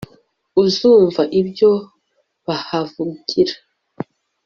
uzumva ibyo bahavugira